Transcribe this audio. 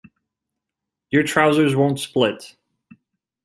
Your trousers won't split.